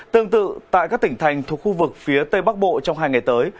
tương tự tại các tỉnh thành thuộc khu vực phía tây bắc bộ trong hai ngày tới